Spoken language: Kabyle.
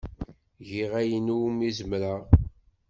Giɣ ayen umi zemreɣ.